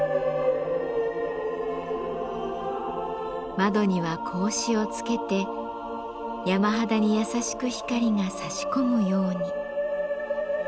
窓には格子をつけて山肌に優しく光がさし込むように。